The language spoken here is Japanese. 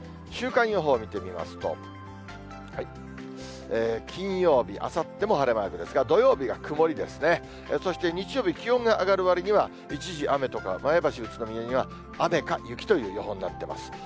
週間予報見てみますと、金曜日、あさっても晴れマークですが、土曜日が曇りですね、そして日曜日、気温が上がるわりには、一時雨とか、前橋、宇都宮には雨か雪という予報になってます。